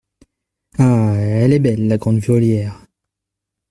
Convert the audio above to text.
Ah elle est belle, la grande volière !